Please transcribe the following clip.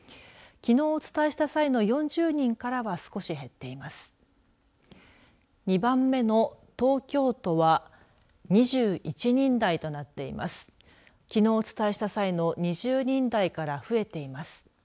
きのうお伝えした際の２０人台から増えています。